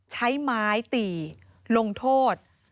ใช้ไม้ตีลงโทษ